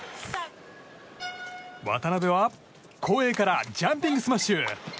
渡辺は後衛からジャンピングスマッシュ！